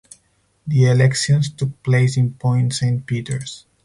The elections took place in Point Saint Peters.